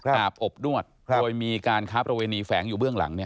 อาบอบนวดโดยมีการค้าประเวณีแฝงอยู่เบื้องหลังเนี่ย